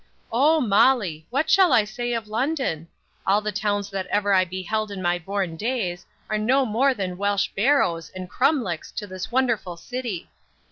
0 Molly! what shall I say of London? All the towns that ever I beheld in my born days, are no more than Welsh barrows and crumlecks to this wonderful sitty!